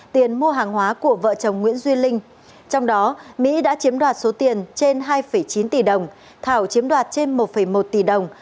tiền mua hàng hóa của vợ chồng nguyễn duy linh trong đó mỹ đã chiếm đoạt số tiền trên hai chín tỷ đồng thảo chiếm đoạt trên một một tỷ đồng